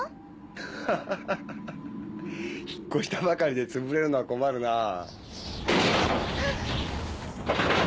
ハハハ引っ越したばかりでつぶれるのは困るなぁ。